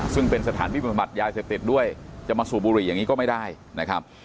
ซึ่งเป็นสถานพิมพมัติยายเศรษฐฤทธิ์ด้วยจะมาสู่บุหรี่อย่างนี้ก็ไม่ได้นะครับ